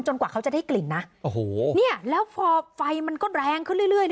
กว่าเขาจะได้กลิ่นนะโอ้โหเนี่ยแล้วพอไฟมันก็แรงขึ้นเรื่อย